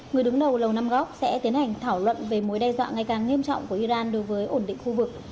người đứng đầu lầu năm góc sẽ tiến hành thảo luận về mối đe dọa ngày càng nghiêm trọng của iran đối với ổn định khu vực